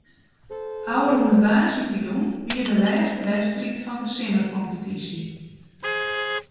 Ofrûne woansdeitejûn wie de lêste wedstriid fan de simmerkompetysje.